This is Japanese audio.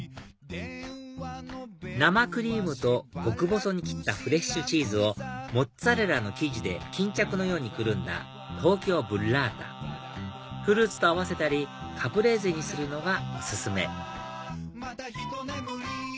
生クリームと極細に切ったフレッシュチーズをモッツァレラの生地で巾着のようにくるんだ東京ブッラータフルーツと合わせたりカプレーゼにするのがオススメ